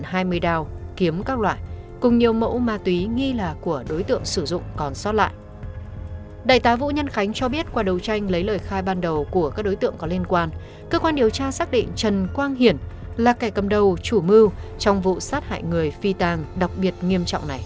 hãy đăng ký kênh để ủng hộ kênh của chúng mình nhé